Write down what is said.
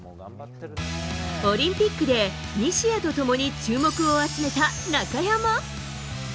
オリンピックで西矢と共に注目を集めた中山。